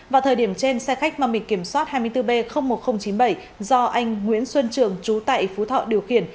vào thời điểm trên xe khách mang bị kiểm soát hai mươi bốn b một nghìn chín mươi bảy do anh nguyễn xuân trường trú tại phú thọ điều khiển